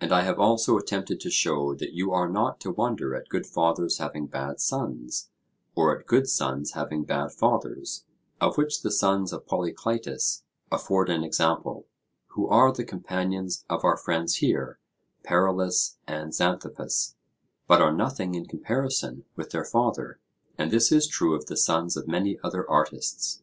And I have also attempted to show that you are not to wonder at good fathers having bad sons, or at good sons having bad fathers, of which the sons of Polycleitus afford an example, who are the companions of our friends here, Paralus and Xanthippus, but are nothing in comparison with their father; and this is true of the sons of many other artists.